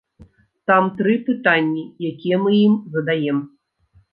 Там тры пытанні, якія мы ім задаем.